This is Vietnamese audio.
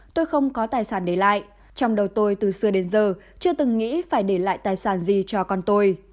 tôi không có tài sản để lại trong đầu tôi từ xưa đến giờ chưa từng nghĩ phải để lại tài sản gì cho con tôi